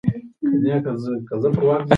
موږ د هغه په نشتوالي کې د هغه د فکر پوروړي یو.